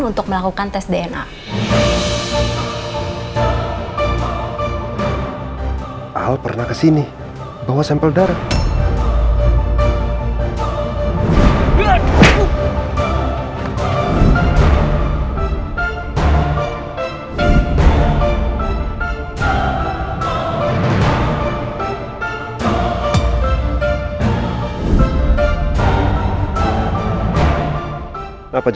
untuk melakukan tes dna